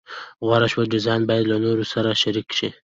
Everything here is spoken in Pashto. غوره شوی ډیزاین باید له نورو سره شریک شي.